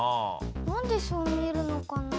何でそう見えるのかな？